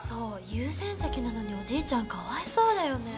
優先席なのにおじいちゃんかわいそうだよね。